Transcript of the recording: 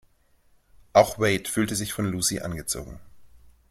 Auch Wade fühlt sich von Lucy angezogen.